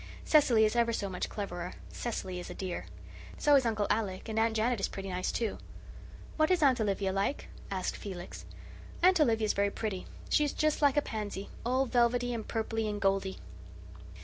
Cecily is ever so much cleverer. Cecily's a dear. So is Uncle Alec; and Aunt Janet is pretty nice, too." "What is Aunt Olivia like?" asked Felix. "Aunt Olivia is very pretty. She is just like a pansy all velvety and purply and goldy."